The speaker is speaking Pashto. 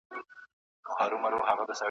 د ده له قبره تر اسمان پوري ډېوې ځلیږي ,